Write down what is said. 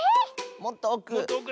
もっとおく。